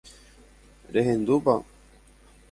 Rehendúpa?